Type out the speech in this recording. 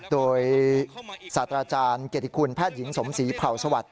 โดยสัตว์อาจารย์เกติคุณแพทย์หญิงสมศรีผ่าวสวรรค์